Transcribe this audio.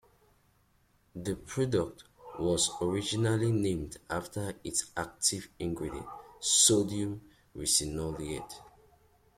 The product was originally named after its active ingredient, sodium ricinoleate.